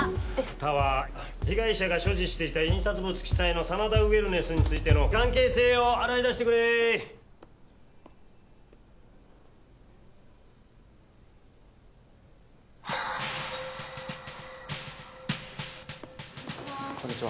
田は被害者が所持していた印刷物記載の真田ウェルネスについての関係性を洗い出してくれこんにちは